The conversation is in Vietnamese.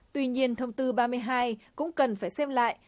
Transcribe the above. tuy nhiên thông tư ba mươi hai cũng cần phải xem lại